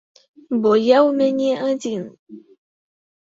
Бо я ў мяне адзін.